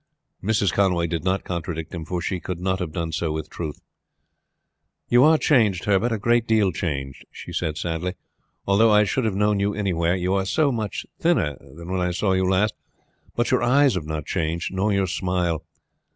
Mrs. Conway did not contradict him, for she could not have done so with truth. "You are changed, Herbert; a great deal changed," she said sadly, "although I should have know you anywhere. You are so much thinner than when I saw you last; but your eyes have not changed, nor your smile.